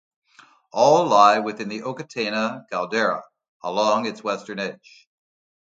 All lie within the Okataina caldera, along its western edge.